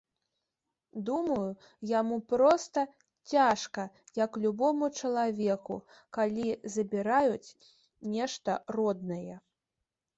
Думаю, яму проста цяжка, як любому чалавеку, калі забіраюць нешта роднае.